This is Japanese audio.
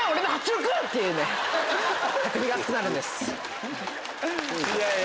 拓海が熱くなるんです。